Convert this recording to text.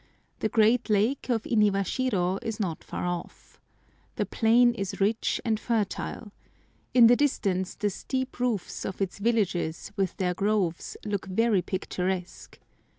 The great lake of Iniwashiro is not far off. The plain is rich and fertile. In the distance the steep roofs of its villages, with their groves, look very picturesque.